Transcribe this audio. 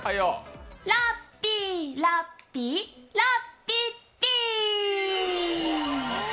ラッピーラッピーラッピッピー！